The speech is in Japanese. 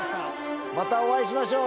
またお会いしましょう数年後！